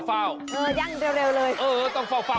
ยางยางเฟ้า